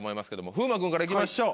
風磨君から行きましょう。